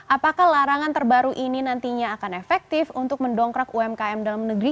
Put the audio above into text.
apakah larangan terbaru ini nantinya akan efektif untuk mendongkrak umkm dalam negeri